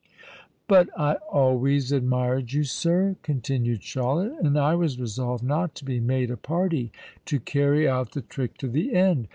"But I always admired you, sir," continued Charlotte; "and I was resolved not to be made a party to carry out the trick to the end.